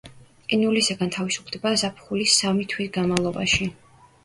ყინულისაგან თავისუფლდება ზაფხულის სამი თვის განმავლობაში.